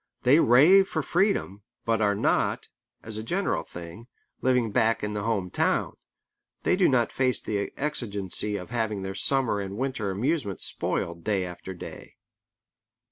They rave for freedom, but are not, as a general thing, living back in the home town. They do not face the exigency of having their summer and winter amusement spoiled day after day.